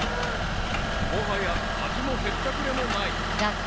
［もはや味もへったくれもない］